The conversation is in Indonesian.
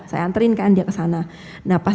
saya anterin kan dia ke sana nah pas